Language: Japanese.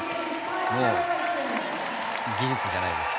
もう技術じゃないです。